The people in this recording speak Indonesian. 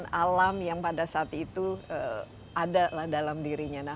jadi itu adalah hal yang pada saat itu adalah dalam dirinya